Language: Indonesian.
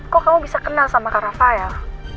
kok kamu bisa kenal sama kak rafael